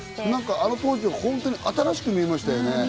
あの当時、新しく見えましたよね？